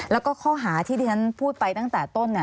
แล้วก็ข้อหาที่ที่ฉันพูดไปตั้งแต่ต้น